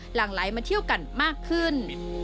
หลังไหลมาเที่ยวกันมากขึ้น